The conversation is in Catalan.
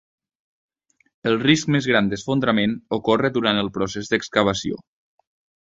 El risc més gran d'esfondrament ocorre durant el procés d'excavació.